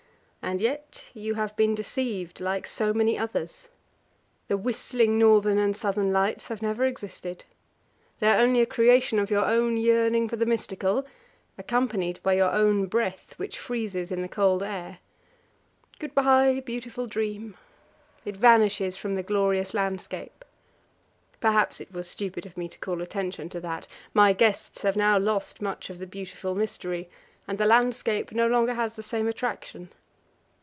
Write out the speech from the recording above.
And yet you have been deceived, like so many others! The whistling northern and southern lights have never existed. They are only a creation of your own yearning for the mystical, accompanied by your own breath, which freezes in the cold air. Goodbye, beautiful dream! It vanishes from the glorious landscape." Perhaps it was stupid of me to call attention to that; my guests have now lost much of the beautiful mystery, and the landscape no longer has the same attraction.